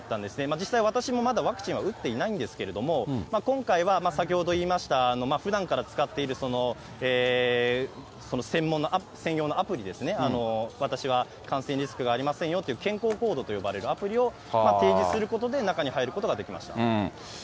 実際、私もまだワクチンは打っていないんですけれども、今回は先ほど言いましたふだんから使っている専用のアプリですね、私は感染リスクがありませんよという健康コードと呼ばれるアプリを提示することで、中に入ることができました。